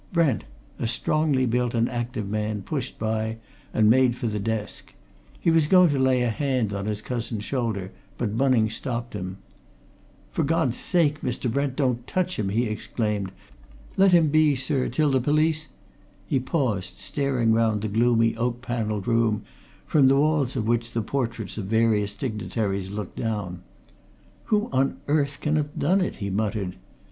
Brent, a strongly built and active man, pushed by, and made for the desk. He was going to lay a hand on his cousin's shoulder, but Bunning stopped him. "For God's sake, Mr. Brent, don't touch him!" he exclaimed. "Let him be, sir, till the police " He paused, staring round the gloomy, oak panelled room from the walls of which the portraits of various dignitaries looked down. "Who on earth can have done it?" he muttered.